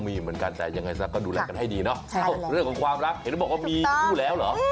เรื่องของโชคลาบนะคะ